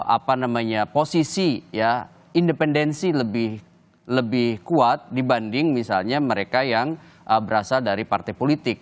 apa namanya posisi ya independensi lebih kuat dibanding misalnya mereka yang berasal dari partai politik